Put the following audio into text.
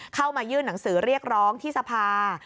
เข้ามายื่นหนังสือเรียกร้องที่สภา